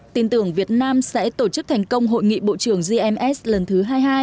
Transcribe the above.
tin tưởng việt nam sẽ tổ chức thành công hội nghị bộ trưởng gms lần thứ hai mươi hai